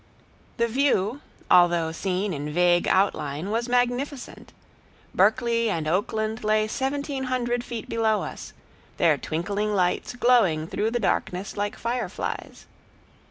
The view although seen in vague outline was magnificent. Berkeley and Oakland lay seventeen hundred feet below us, their twinkling lights glowing through the darkness like fireflies.